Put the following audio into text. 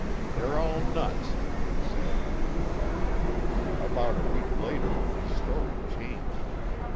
"They're all nuts," he said. About a week later his story changed.